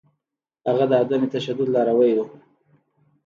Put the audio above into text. هغه د عدم تشدد لاروی و.